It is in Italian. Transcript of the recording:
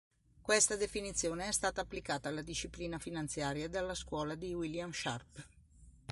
Questa definizione è stata applicata alla disciplina finanziaria dalla scuola di William Sharpe.